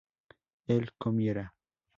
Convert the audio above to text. él comiera